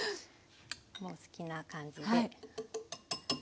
お好きな感じで。